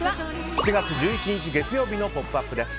７月１１日、月曜日の「ポップＵＰ！」です。